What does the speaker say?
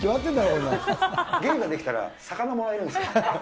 芸ができたら、魚もらえるんです。